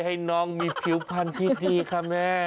ให้น้องมีผิวพันธุ์ที่ดีค่ะแม่